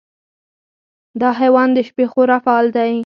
دا حیوان د شپې خورا فعال دی.